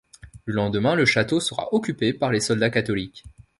Le lendemain le château sera occupé par les soldats catholiques.